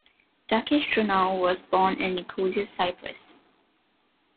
Dakis Joannou was born in Nicosia, Cyprus.